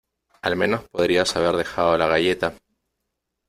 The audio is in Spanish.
Al menos podrías haber dejado la galleta.